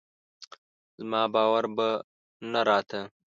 زما باور به نه راته